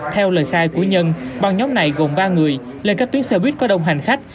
theo lời khai của nhân băng nhóm này gồm ba người lên các tuyến xe buýt có đông hành khách